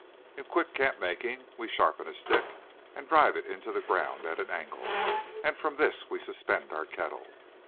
In quick camp making we sharpen a stick and drive it into the ground at an angle, and from this we suspend our kettle.